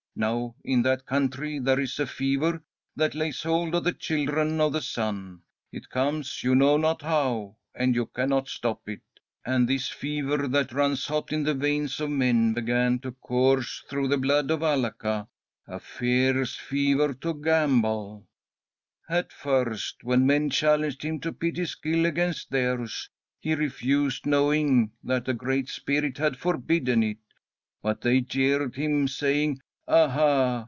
Now in that country there is a fever that lays hold of the children of the sun. It comes you know not how, and you cannot stop it. And this fever that runs hot in the veins of men began to course through the blood of Alaka, a fierce fever to gamble. "At first, when men challenged him to pit his skill against theirs, he refused, knowing that the Great Spirit had forbidden it; but they jeered him, saying: 'Ah, ha!